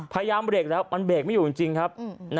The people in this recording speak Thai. พยายามเบรกแล้วมันเบรกไม่อยู่จริงครับ